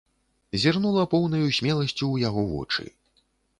Зірнула поўнаю смеласцю ў яго вочы.